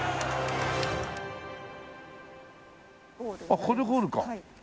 あっこれゴールか。